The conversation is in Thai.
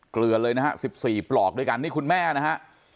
เกลือเลยนะฮะ๑๔ปลอกด้วยกันนี่คุณแม่นะฮะ